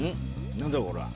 何だこれは？